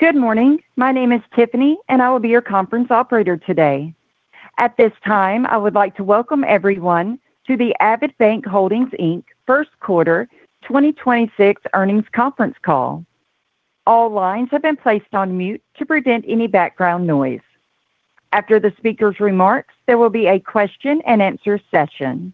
Good morning. My name is Tiffany, and I will be your conference operator today. At this time, I would like to welcome everyone to the Avidbank Holdings, Inc first quarter 2026 earnings conference call. All lines have been placed on mute to prevent any background noise. After the speaker's remarks, there will be a question and answer session.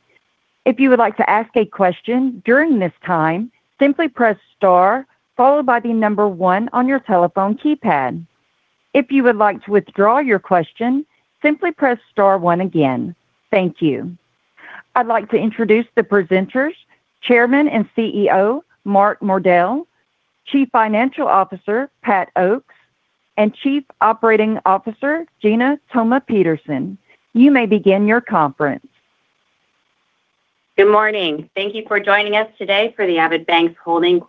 If you would like to ask a question during this time, simply press star followed by the number one on your telephone keypad. If you would like to withdraw your question, simply press star one again. Thank you. I'd like to introduce the presenters, Chairman and CEO, Mark Mordell, Chief Financial Officer, Patrick Oakes, and Chief Operating Officer, Gina Thoma-Peterson. You may begin your conference. Good morning. Thank you for joining us today for the Avidbank Holdings'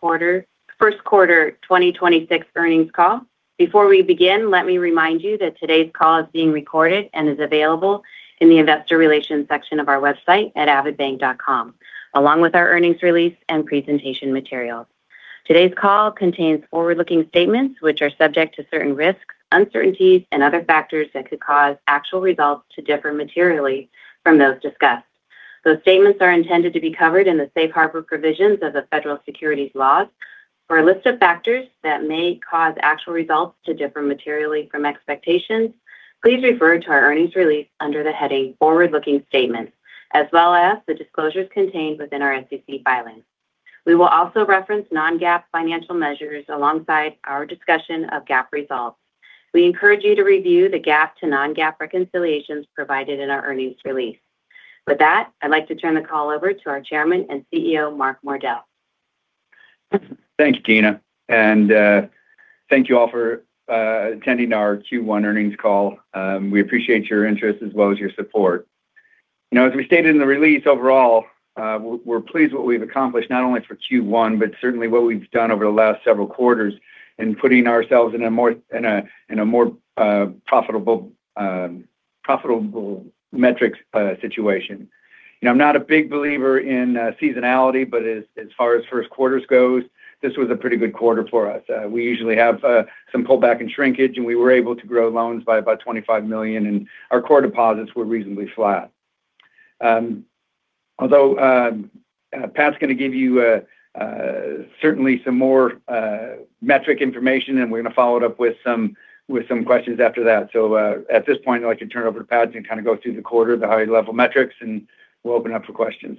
first quarter 2026 earnings call. Before we begin, let me remind you that today's call is being recorded and is available in the investor relations section of our website at avidbank.com, along with our earnings release and presentation materials. Today's call contains forward-looking statements which are subject to certain risks, uncertainties and other factors that could cause actual results to differ materially from those discussed. Those statements are intended to be covered in the safe harbor provisions of the federal securities laws. For a list of factors that may cause actual results to differ materially from expectations, please refer to our earnings release under the heading Forward-Looking Statements, as well as the disclosures contained within our SEC filings. We will also reference non-GAAP financial measures alongside our discussion of GAAP results. We encourage you to review the GAAP to non-GAAP reconciliations provided in our earnings release. With that, I'd like to turn the call over to our Chairman and CEO, Mark Mordell. Thanks, Gina, thank you all for attending our Q1 earnings call. We appreciate your interest as well as your support. You know, as we stated in the release overall, we're pleased what we've accomplished not only for Q1, but certainly what we've done over the last several quarters in putting ourselves in a more profitable metrics situation. You know, I'm not a big believer in seasonality, as far as first quarters goes, this was a pretty good quarter for us. We usually have some pullback and shrinkage, and we were able to grow loans by about $25 million, and our core deposits were reasonably flat. Although Pat's going to give you certainly some more metric information, and we're going to follow it up with some questions after that. At this point, I'd like to turn it over to Pat to kind of go through the quarter, the high level metrics, and we'll open up for questions.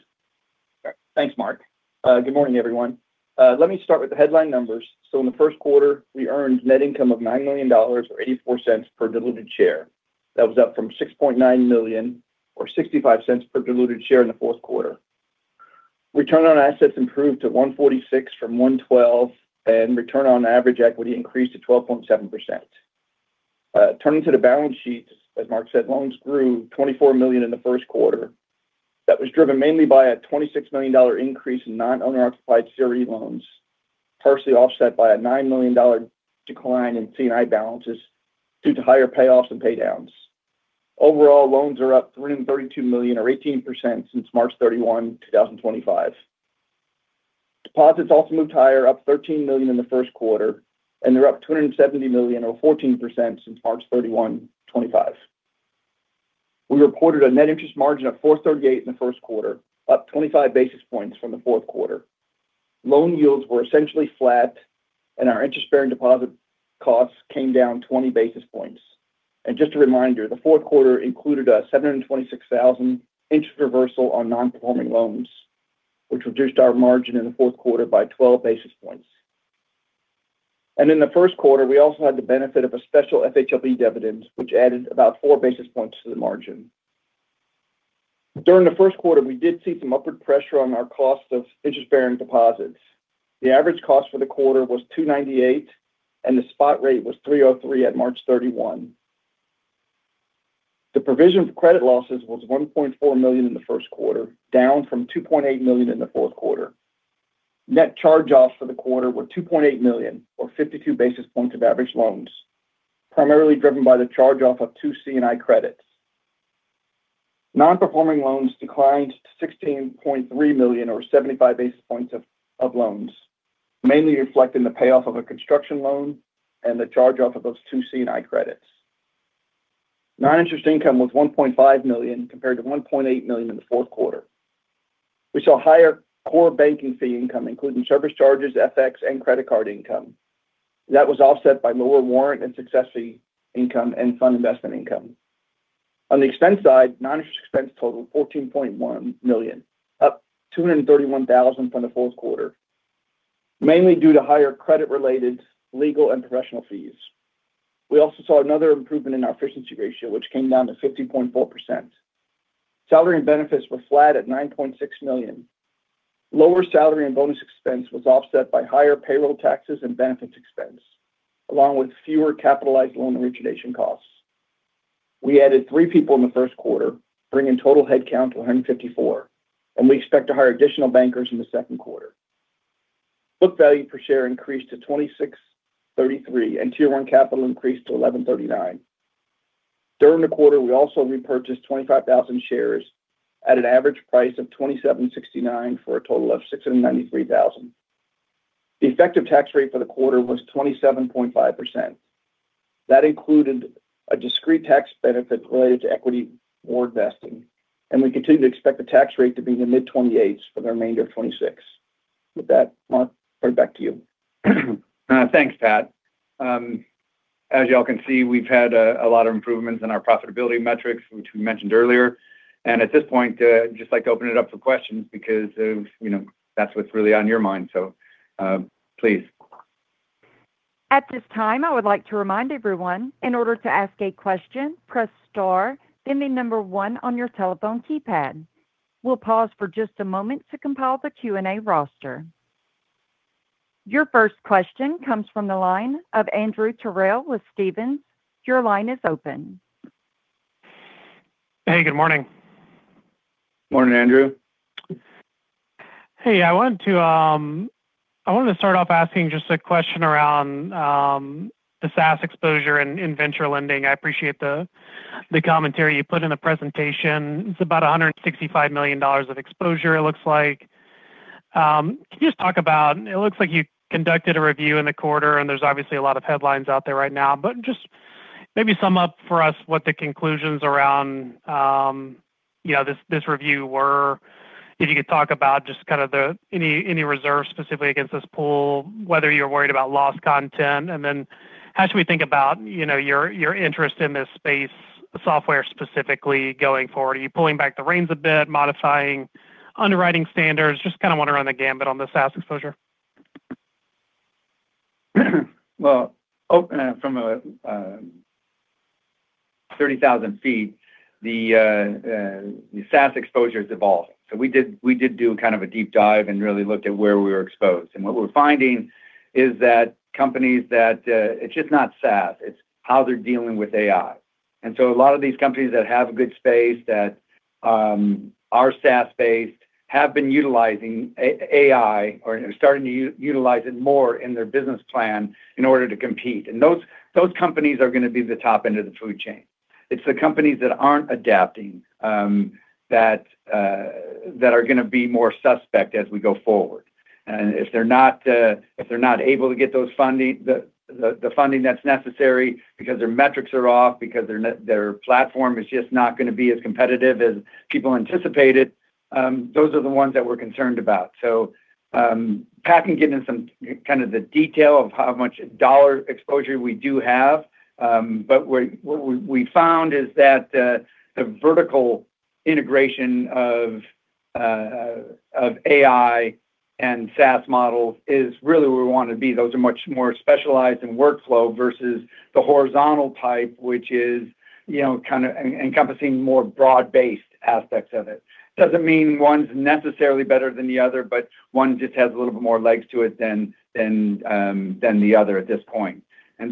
Thanks, Mark. Good morning, everyone. Let me start with the headline numbers. In the first quarter, we earned net income of $9 million or $0.84 per diluted share. That was up from $6.9 million or $0.65 per diluted share in the fourth quarter. Return on assets improved to 1.46% from 1.12%, and return on average equity increased to 12.7%. Turning to the balance sheets, as Mark said, loans grew $24 million in the first quarter. That was driven mainly by a $26 million increase in non-owner occupied CRE loans, partially offset by a $9 million decline in C&I balances due to higher payoffs and pay downs. Overall, loans are up $332 million or 18% since March 31, 2025. Deposits also moved higher, up $13 million in the first quarter, and they're up $270 million or 14% since March 31, 2025. We reported a net interest margin of 4.38% in the first quarter, up 25 basis points from the fourth quarter. Loan yields were essentially flat, and our interest-bearing deposit costs came down 20 basis points. Just a reminder, the fourth quarter included a $726,000 interest reversal on non-performing loans, which reduced our margin in the fourth quarter by 12 basis points. In the first quarter, we also had the benefit of a special FHLB dividend, which added about 4 basis points to the margin. During the first quarter, we did see some upward pressure on our cost of interest-bearing deposits. The average cost for the quarter was $2.98. The spot rate was $3.03 at March 31. The provision for credit losses was $1.4 million in the first quarter, down from $2.8 million in the fourth quarter. Net charge-offs for the quarter were $2.8 million or 52 basis points of average loans, primarily driven by the charge-off of 2 C&I credits. Non-performing loans declined to $16.3 million or 75 basis points of loans, mainly reflecting the payoff of a construction loan and the charge-off of those 2 C&I credits. Non-interest income was $1.5 million compared to $1.8 million in the fourth quarter. We saw higher core banking fee income, including service charges, FX, and credit card income. That was offset by lower warrant and success fee income and fund investment income. On the expense side, non-interest expense totaled $14.1 million, up $231,000 from the fourth quarter, mainly due to higher credit-related legal and professional fees. We also saw another improvement in our efficiency ratio, which came down to 50.4%. Salary and benefits were flat at $9.6 million. Lower salary and bonus expense was offset by higher payroll taxes and benefits expense, along with fewer capitalized loan origination costs. We added three people in the first quarter, bringing total head count to 154, and we expect to hire additional bankers in the second quarter. Book value per share increased to $26.33, and Tier 1 capital increased to $11.39. During the quarter, we also repurchased 25,000 shares at an average price of $27.69 for a total of $693,000. The effective tax rate for the quarter was 27.5%. That included a discrete tax benefit related to equity board vesting. We continue to expect the tax rate to be in the mid-28s for the remainder of 2026. With that, Mark, right back to you. Thanks, Pat. As y'all can see, we've had a lot of improvements in our profitability metrics, which we mentioned earlier. At this point, just like to open it up for questions because, you know, that's what's really on your mind. Please. At this time I will like to remind everyone in order to ask a question press star and the number one on your telephone keypad. We'll pause for just a moment to compile the Q&A roster. Your first question comes from the line of Andrew Terrell with Stephens. Your line is open. Hey, good morning. Morning, Andrew. Hey, I wanted to start off asking just a question around the SaaS exposure in venture lending. I appreciate the commentary you put in the presentation. It's about $165 million of exposure, it looks like. Can you just talk about, it looks like you conducted a review in the quarter, and there's obviously a lot of headlines out there right now. Just maybe sum up for us what the conclusions around, you know, this review were. If you could talk about just kind of the any reserves specifically against this pool, whether you're worried about lost content. How should we think about, you know, your interest in this space, software specifically, going forward? Are you pulling back the reins a bit, modifying underwriting standards? Just kinda wanna run the gambit on the SaaS exposure. Well, from a 30,000 ft, the SaaS exposure's evolving. We did do kind of a deep dive and really looked at where we were exposed. What we're finding is that companies that it's just not SaaS, it's how they're dealing with AI. A lot of these companies that have a good space that are SaaS-based have been utilizing AI or starting to utilize it more in their business plan in order to compete. Those companies are gonna be the top end of the food chain. It's the companies that aren't adapting that are gonna be more suspect as we go forward. If they're not able to get those funding, the funding that's necessary because their metrics are off, because their platform is just not gonna be as competitive as people anticipated, those are the ones that we're concerned about. Pat can get into some kind of the detail of how much dollar exposure we do have. What we found is that the vertical integration of AI and SaaS models is really where we wanna be. Those are much more specialized in workflow versus the horizontal type, which is, you know, kinda encompassing more broad-based aspects of it. It doesn't mean one's necessarily better than the other, but one just has a little bit more legs to it than the other at this point.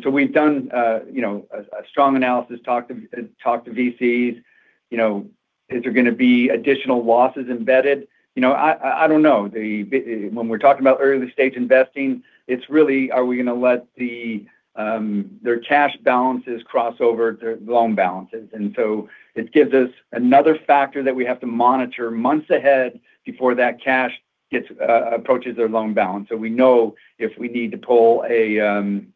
We've done, you know, a strong analysis, talked to VCs. You know, is there gonna be additional losses embedded? You know, I don't know. When we're talking about early-stage investing, it's really, are we gonna let their cash balances cross over to loan balances. It gives us another factor that we have to monitor months ahead before that cash gets approaches their loan balance. We know if we need to pull an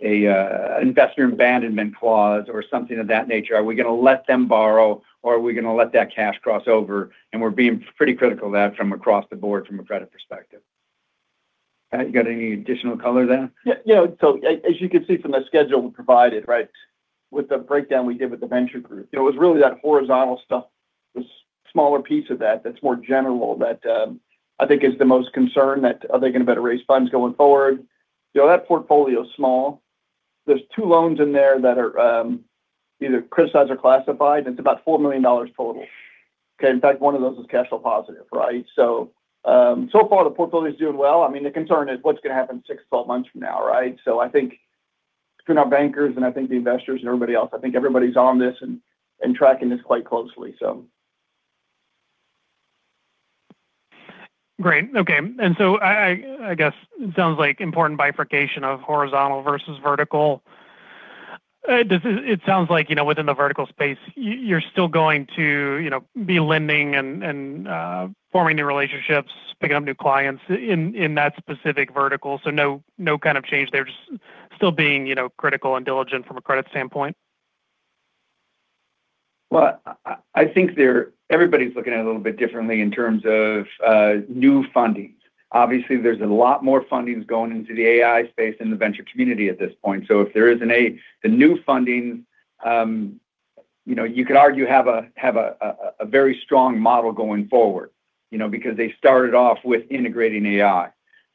investor abandonment clause or something of that nature. Are we gonna let them borrow, or are we gonna let that cash cross over? We're being pretty critical of that from across the board from a credit perspective. Pat, you got any additional color there? Yeah, yeah. As you can see from the schedule we provided, right? With the breakdown we give with the venture group. It was really that horizontal stuff, this smaller piece of that that's more general that, I think is the most concern that are they gonna be able to raise funds going forward? You know, that portfolio is small. There's two loans in there that are either criticized or classified, and it's about $4 million total. Okay. In fact, one of those is cash flow positive, right? So far the portfolio is doing well. I mean, the concern is what's gonna happen 6-12 months from now, right? I think between our bankers and I think the investors and everybody else, I think everybody's on this and tracking this quite closely. Great. Okay. I guess it sounds like important bifurcation of horizontal versus vertical. It sounds like, you know, within the vertical space, you're still going to, you know, be lending and forming new relationships, picking up new clients in that specific vertical. No kind of change there. Just still being, you know, critical and diligent from a credit standpoint. Well, I think everybody's looking at it a little bit differently in terms of new fundings. Obviously, there's a lot more fundings going into the AI space in the venture community at this point. If there isn't the new funding, you know, you could argue have a very strong model going forward, you know, because they started off with integrating AI.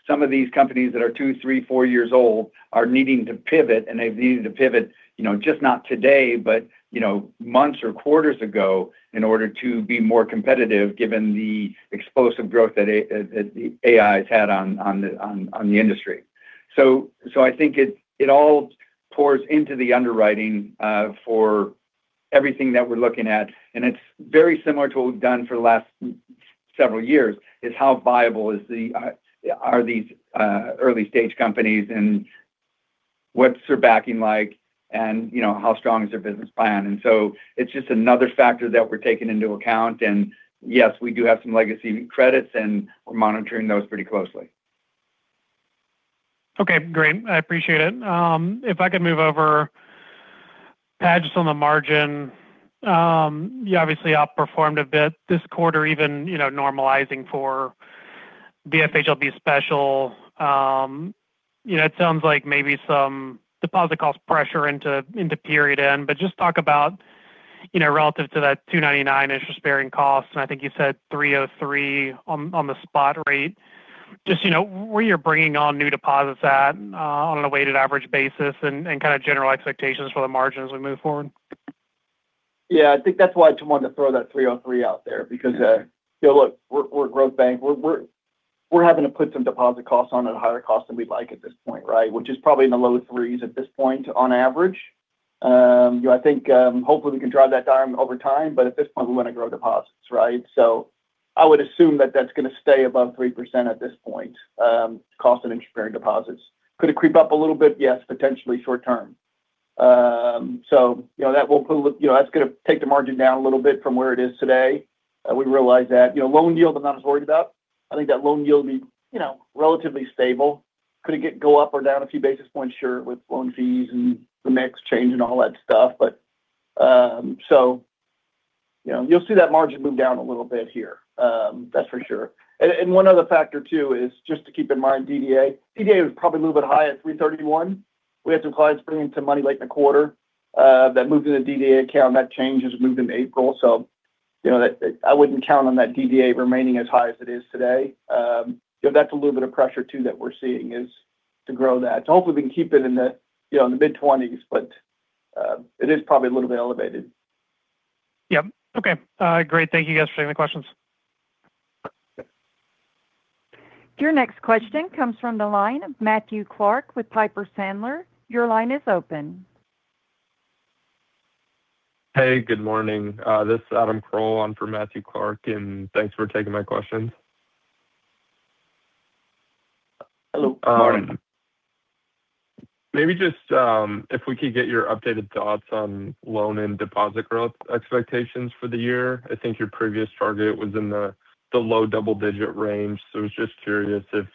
Some of these companies that are two, three, four years old are needing to pivot, and they've needed to pivot, you know, just not today, but, you know, months or quarters ago in order to be more competitive given the explosive growth that AI has had on the industry. I think it all pours into the underwriting, Everything that we're looking at, and it's very similar to what we've done for the last several years, is how viable are these early stage companies and what's their backing like? You know, how strong is their business plan? It's just another factor that we're taking into account. Yes, we do have some legacy credits, and we're monitoring those pretty closely. Okay, great. I appreciate it. If I could move over. Pat, just on the margin, you obviously outperformed a bit this quarter even, you know, normalizing for the FHLB special. You know, it sounds like maybe some deposit cost pressure into period end. Just talk about, you know, relative to that $2.99 interest-bearing costs, and I think you said $3.03 on the spot rate. Just, you know, where you're bringing on new deposits at on a weighted average basis and kind of general expectations for the margin as we move forward. Yeah, I think that's why I wanted to throw that $3.03 out there because, you know, look, we're a growth bank. We're having to put some deposit costs on at a higher cost than we'd like at this point, right? Which is probably in the low three's at this point on average. You know, I think, hopefully we can drive that down over time, but at this point we want to grow deposits, right? I would assume that that's going to stay above 3% at this point, cost of interest-bearing deposits. Could it creep up a little bit? Yes, potentially short term. You know, that's going to take the margin down a little bit from where it is today. We realize that. You know, loan yield I'm not as worried about. I think that loan yield will be, you know, relatively stable. Could it go up or down a few basis points? Sure, with loan fees and the mix change and all that stuff. You know, you'll see that margin move down a little bit here, that's for sure. One other factor too is just to keep in mind DDA. DDA was probably a little bit high at $331. We had some clients bring in some money late in the quarter, that moved to the DDA account. That change has moved in April, you know, I wouldn't count on that DDA remaining as high as it is today. You know, that's a little bit of pressure too that we're seeing is to grow that. Hopefully we can keep it in the, you know, in the mid-twenties, but it is probably a little bit elevated. Yep. Okay. Great. Thank you guys for taking the questions. Your next question comes from the line of Matthew Clark with Piper Sandler. Your line is open. Hey, good morning. This is Adam Kroll. I'm for Matthew Clark, and thanks for taking my questions. Hello. Good morning. Maybe just, if we could get your updated thoughts on loan and deposit growth expectations for the year. I think your previous target was in the low double digit range. I was just curious if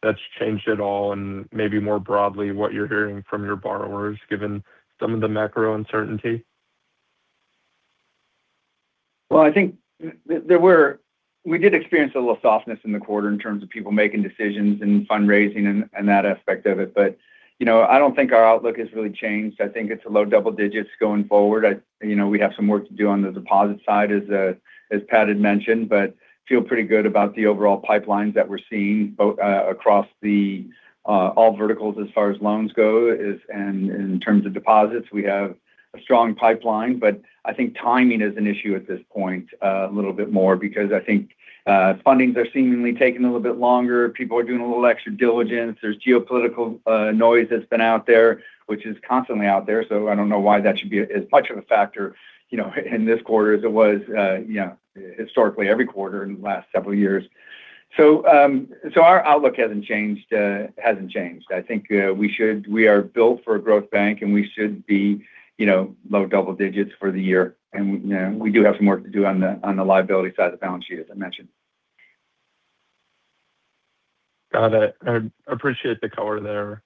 that's changed at all, and maybe more broadly, what you're hearing from your borrowers, given some of the macro uncertainty. Well, I think we did experience a little softness in the quarter in terms of people making decisions and fundraising and that aspect of it. You know, I don't think our outlook has really changed. I think it's a low double digits going forward. I, you know, we have some work to do on the deposit side as Pat had mentioned, but feel pretty good about the overall pipelines that we're seeing across the all verticals as far as loans go. In terms of deposits, we have a strong pipeline, I think timing is an issue at this point, a little bit more because I think fundings are seemingly taking a little bit longer. People are doing a little extra diligence. There's geopolitical noise that's been out there, which is constantly out there, so I don't know why that should be as much of a factor, you know, in this quarter as it was, you know, historically every quarter in the last several years. Our outlook hasn't changed. I think, we are built for a growth bank, and we should be, you know, low double digits for the year. You know, we do have some work to do on the, on the liability side of the balance sheet, as I mentioned. Got it. I appreciate the color there.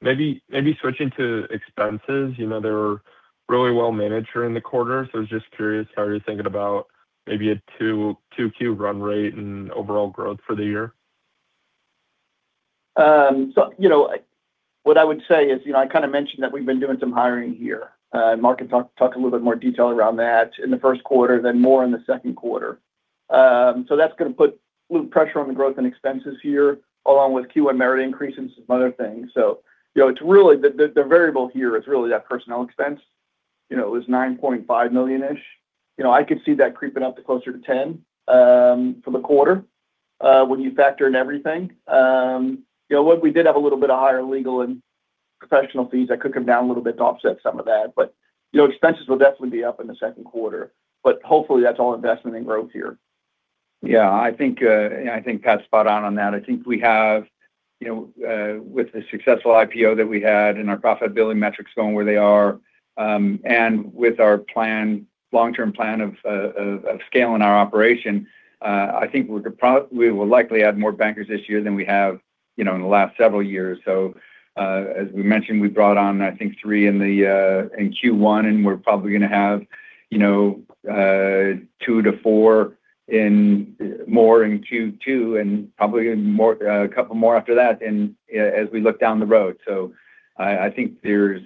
Maybe switching to expenses. You know, they were really well managed during the quarter. I was just curious how you're thinking about maybe a Q2 run rate and overall growth for the year. You know, what I would say is, you know, I kind of mentioned that we've been doing some hiring here. Mark can talk a little bit more detail around that in the first quarter than more in the second quarter. That's going to put a little pressure on the growth and expenses here, along with Q1 merit increases and some other things. You know, it's really the variable here is really that personnel expense. You know, it was $9.5 million-ish. You know, I could see that creeping up to closer to $10 million for the quarter when you factor in everything. You know, we did have a little bit of higher legal and professional fees that could come down a little bit to offset some of that. You know, expenses will definitely be up in the second quarter, but hopefully that's all investment in growth here. I think Pat's spot on on that. I think we have, you know, with the successful IPO that we had and our profitability metrics going where they are, and with our long-term plan of scaling our operation, I think we will likely add more bankers this year than we have, you know, in the last several years. As we mentioned, we brought on, I think, three in Q1, and we're probably gonna have, you know, 2-4 more in Q2 and probably even more, a couple more after that as we look down the road. I think there's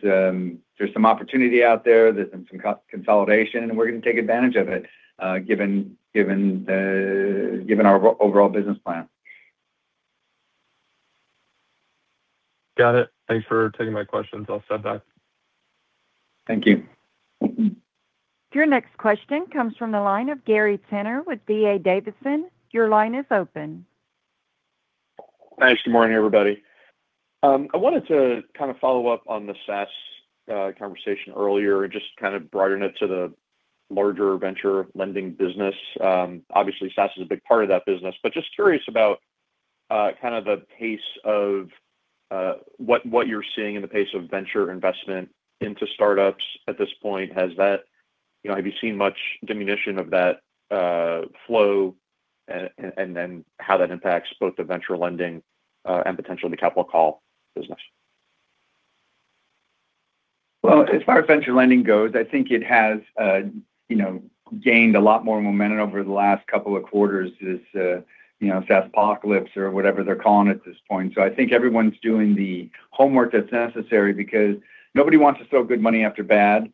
some opportunity out there. There's been some consolidation, and we're going to take advantage of it, given our overall business plan. Got it. Thanks for taking my questions. I'll step back. Thank you. Your next question comes from the line of Gary Tenner with D.A. Davidson. Your line is open. Thanks. Good morning, everybody. I wanted to kind of follow up on the SaaS conversation earlier and just kind of broaden it to the larger venture lending business. Obviously, SaaS is a big part of that business. Just curious about kind of the pace of what you're seeing in the pace of venture investment into start-ups at this point. Has that, you know, have you seen much diminution of that flow and then how that impacts both the venture lending and potentially the capital call business? Well, as far as venture lending goes, I think it has, you know, gained a lot more momentum over the last couple of quarters. This, you know, SaaSpocalypse or whatever they're calling it at this point. I think everyone's doing the homework that's necessary because nobody wants to throw good money after bad.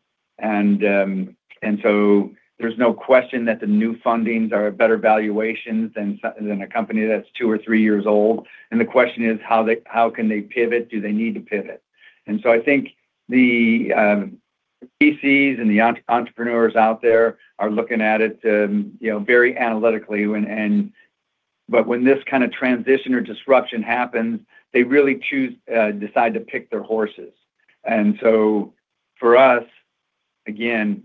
There's no question that the new fundings are at better valuations than a company that's two or three years old. The question is how can they pivot? Do they need to pivot? I think the VCs and the entrepreneurs out there are looking at it, you know, very analytically. When this kind of transition or disruption happens, they really choose, decide to pick their horses. For us, again,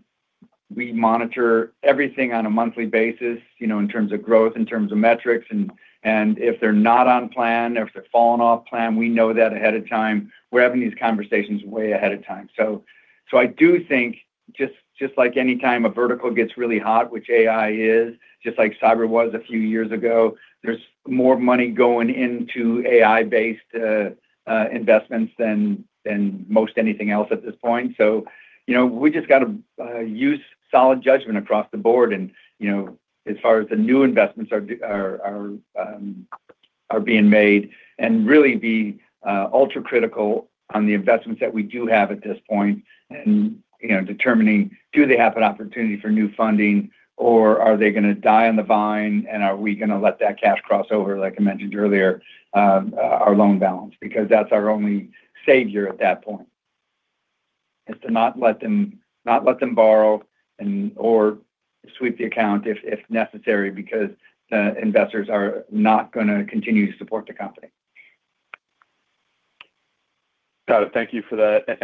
we monitor everything on a monthly basis, you know, in terms of growth, in terms of metrics. If they're not on plan or if they're falling off plan, we know that ahead of time. We're having these conversations way ahead of time. I do think just like any time a vertical gets really hot, which AI is, just like cyber was a few years ago, there's more money going into AI-based investments than most anything else at this point. You know, we just gotta use solid judgment across the board and, you know, as far as the new investments are being made, and really be ultra-critical on the investments that we do have at this point. You know, determining do they have an opportunity for new funding or are they gonna die on the vine, and are we gonna let that cash cross over, like I mentioned earlier, our loan balance? That's our only savior at that point, is to not let them borrow and, or sweep the account if necessary, because the investors are not gonna continue to support the company. Got it. Thank you for that.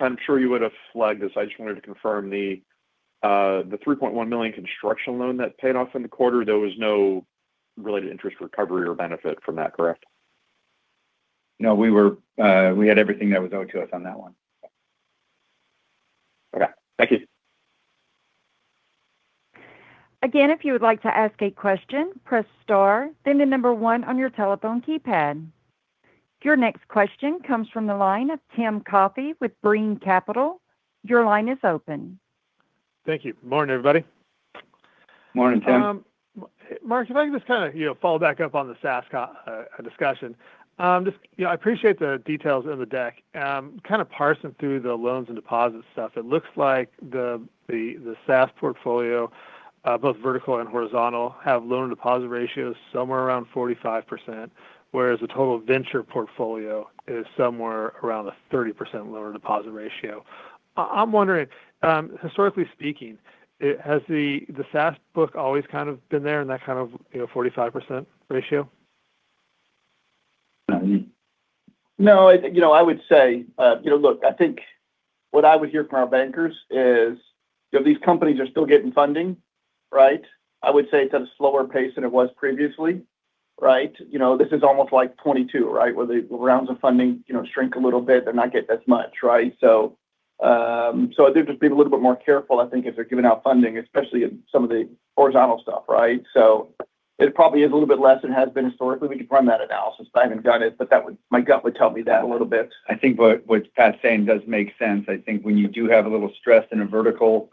I'm sure you would have flagged this, I just wanted to confirm the $3.1 million construction loan that paid off in the quarter, there was no related interest recovery or benefit from that, correct? No, we had everything that was owed to us on that one. Okay. Thank you. If you would like to ask a question, press star, then the number one on your telephone keypad. Your next question comes from the line of Tim Coffey with Brean Capital. Your line is open. Thank you. Morning, everybody. Morning, Tim. Mark, if I could just kinda, you know, follow back up on the SaaS discussion. Just, you know, I appreciate the details in the deck. Kinda parsing through the loans and deposits stuff, it looks like the SaaS portfolio, both vertical and horizontal, have loan-to-deposit ratios somewhere around 45%, whereas the total venture portfolio is somewhere around a 30% loan-to-deposit ratio. I'm wondering, historically speaking, has the SaaS book always kind of been there in that kind of, you know, 45% ratio? No, you know, I would say, you know, look, I think what I would hear from our bankers is, you know, these companies are still getting funding, right? I would say it's at a slower pace than it was previously, right? You know, this is almost like 2022, right? Where the rounds of funding, you know, shrink a little bit. They're not getting as much, right? I think they're just being a little bit more careful, I think, if they're giving out funding, especially in some of the horizontal stuff, right? It probably is a little bit less than it has been historically. We could run that analysis. I haven't done it, but my gut would tell me that a little bit. I think what Pat saying does make sense. I think when you do have a little stress in a vertical,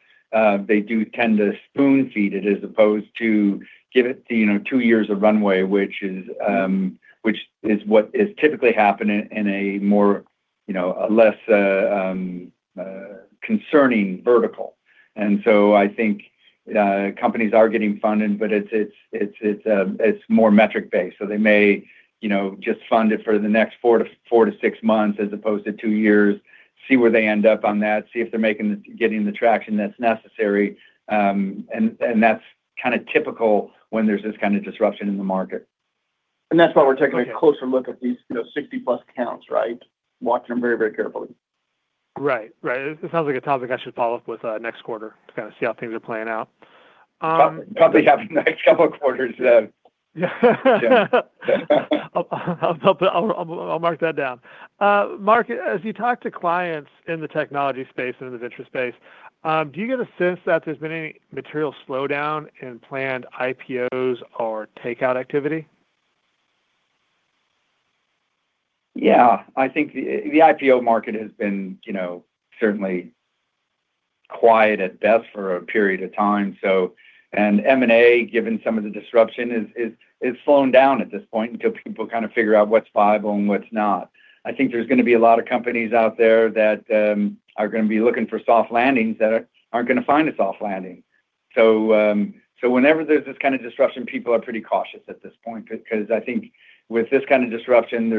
they do tend to spoon feed it as opposed to give it, you know, two years of runway, which is, which is what is typically happening in a more, you know, a less, concerning vertical. I think companies are getting funded, but it's more metric-based. They may, you know, just fund it for the next 4-6 months as opposed to two years, see where they end up on that, see if they're getting the traction that's necessary. That's kind of typical when there's this kind of disruption in the market. Okay. That's why we're taking a closer look at these, you know, 60+ counts, right? Watching them very, very carefully. Right. Right. This sounds like a topic I should follow up with, next quarter to kind of see how things are playing out. Probably have a nice couple of quarters then. Yeah. I'll mark that down. Mark, as you talk to clients in the technology space and in the venture space, do you get a sense that there's been any material slowdown in planned IPOs or takeout activity? Yeah. I think the IPO market has been certainly quiet at best for a period of time. M&A, given some of the disruption, is slowing down at this point until people kind of figure out what's viable and what's not. I think there's going to be a lot of companies out there that are going to be looking for soft landings that aren't going to find a soft landing. Whenever there's this kind of disruption, people are pretty cautious at this point because I think with this kind of disruption,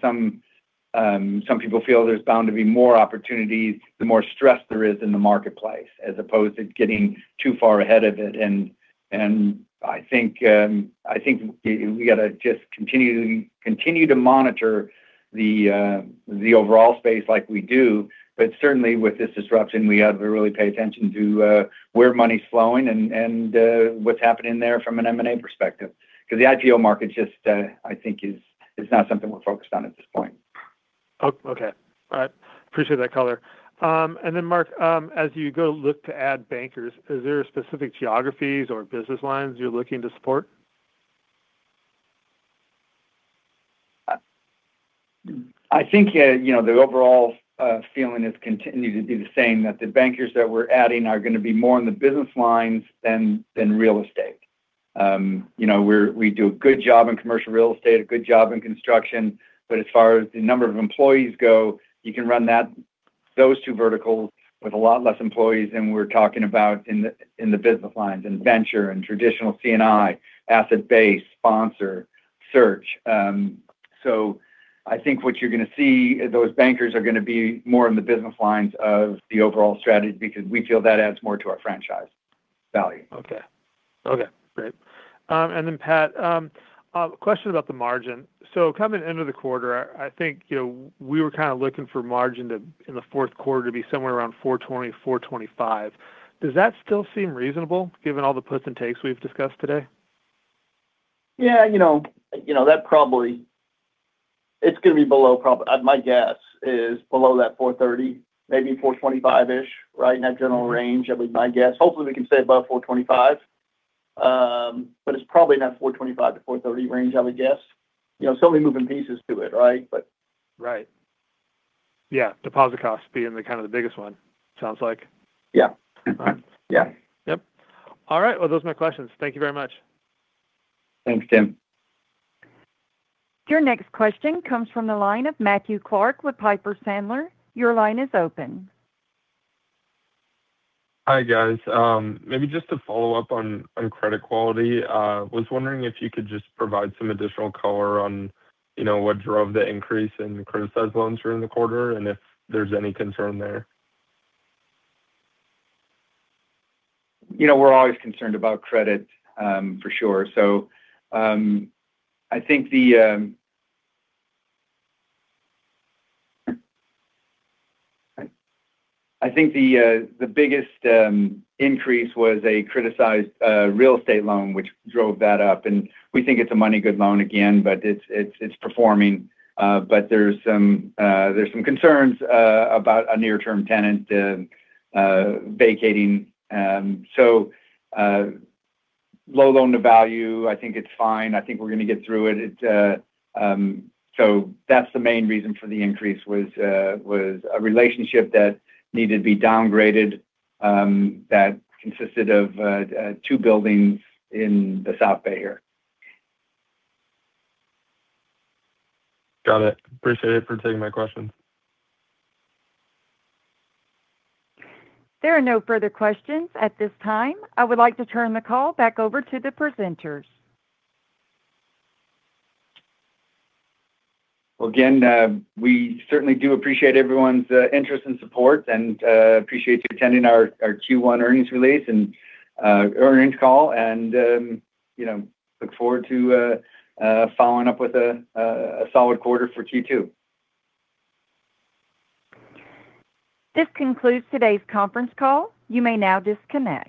some people feel there's bound to be more opportunities the more stress there is in the marketplace, as opposed to getting too far ahead of it. I think we got to just continue to monitor the overall space like we do. Certainly with this disruption, we have to really pay attention to where money's flowing and, what's happening there from an M&A perspective. The IPO market just, I think is not something we're focused on at this point. Okay. All right. Appreciate that color. Mark, as you go look to add bankers, is there specific geographies or business lines you're looking to support? I think, you know, the overall feeling is continuing to be the same, that the bankers that we're adding are gonna be more in the business lines than real estate. You know, we're, we do a good job in commercial real estate, a good job in construction, but as far as the number of employees go, you can run that, those two verticals with a lot less employees than we're talking about in the business lines and venture and traditional C&I, asset base, sponsor, search. I think what you're gonna see, those bankers are gonna be more in the business lines of the overall strategy because we feel that adds more to our franchise value. Okay. Okay, great. And then Pat, question about the margin. Coming into the quarter, I think, you know, we were kind of looking for margin in the fourth quarter to be somewhere around 4.20%-4.25%. Does that still seem reasonable given all the puts and takes we've discussed today? Yeah. You know, that probably My guess is below that 4.30%, maybe 4.25%-ish, right? In that general range, that'd be my guess. Hopefully, we can stay above 4.25%. It's probably that 4.25%-4.30% range, I would guess. You know, so many moving pieces to it, right? Right. Yeah. Deposit costs being the kind of the biggest one, sounds like. Yeah. All right. Yeah. Yep. All right. Well, those are my questions. Thank you very much. Thanks, Tim. Your next question comes from the line of Matthew Clark with Piper Sandler. Your line is open. Hi, guys. Maybe just to follow up on credit quality, was wondering if you could just provide some additional color on, you know, what drove the increase in criticized loans during the quarter, and if there's any concern there. You know, we're always concerned about credit, for sure. I think the biggest increase was a criticized real estate loan, which drove that up. We think it's a money good loan again, but it's performing. There's some concerns about a near-term tenant vacating. Low loan-to-value, I think it's fine. I think we're gonna get through it. That's the main reason for the increase, was a relationship that needed to be downgraded, that consisted of two buildings in the South Bay here. Got it. Appreciate it, for taking my question. There are no further questions at this time. I would like to turn the call back over to the presenters. Well, again, we certainly do appreciate everyone's interest and support, and appreciate you attending our Q1 earnings release and earnings call. You know, look forward to a solid quarter for Q2. This concludes today's conference call. You may now disconnect.